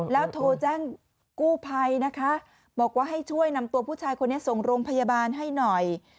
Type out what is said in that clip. แล้วโทรแจ้งกู้ภัยนะคะบอกว่าให้ช่วยนำตัวผู้ชายคนนี้ส่งโรงพยาบาลให้หน่อย